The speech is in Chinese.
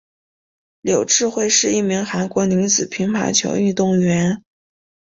柳智惠是一名韩国女子乒乓球运动员。